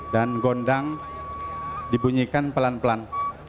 dan gondang dibunyikan pelan pelan